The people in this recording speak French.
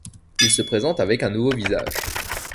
Il se présente avec un nouveau visage.